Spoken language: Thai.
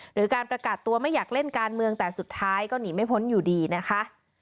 หรือการประกาศตัวไม่อยากเล่นการเมืองแต่สุดท้ายก็หนีไม่พ้นอยู่ดีนะคะ